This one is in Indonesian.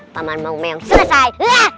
taman mau meong selesai